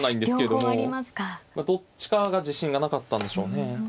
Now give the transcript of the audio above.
どっちかが自信がなかったんでしょうね。